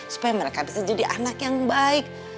supaya mereka bisa jadi anak yang baik